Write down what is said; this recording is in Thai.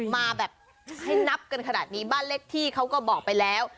มาแบบให้นับกันขนาดนี้บ้านเลขที่เขาก็บอกไปแล้ว